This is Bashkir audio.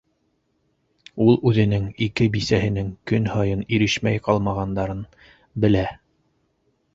Ул үҙенең ике бисәһенең көн һайын ирешмәй ҡалмағандарын белә.